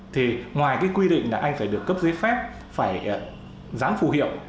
thì ngoài cái quy định là anh phải được cấp giấy phép phải dán phù hiệu